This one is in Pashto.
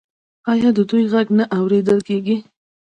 آیا د دوی غږ نه اوریدل کیږي؟